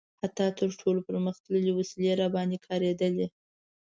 حتی تر ټولو پرمختللې وسلې راباندې کارېدلي.